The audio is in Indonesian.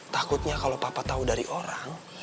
takutnya kalau papa tahu dari orang